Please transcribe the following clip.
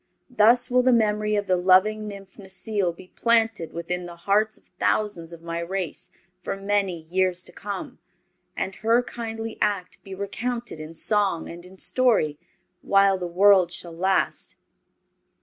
Thus will the memory of the loving nymph Necile be planted within the hearts of thousands of my race for many years to come, and her kindly act be recounted in song and in story while the world shall last.